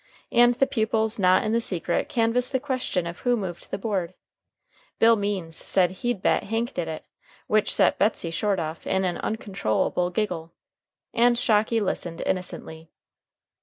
And the pupils not in the secret canvassed the question of who moved the board. Bill Means said he'd bet Hank did it, which set Betsey Short off in an uncontrollable giggle. And Shocky listened innocently.